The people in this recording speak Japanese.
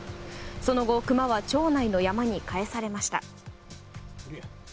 その後、クマは町内の山に帰されました。